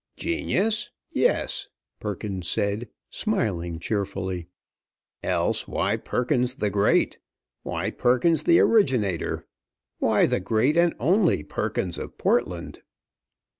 "Genius, yes," Perkins said, smiling cheerfully, "else why Perkins the Great? Why Perkins the Originator? Why the Great and Only Perkins of Portland?"